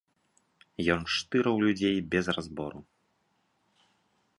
Ён штырыў людзей без разбору.